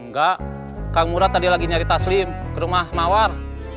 enggak kang mura tadi lagi nyari taslim ke rumah mawar